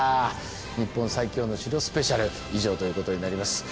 「日本最強の城スペシャル」以上ということになります。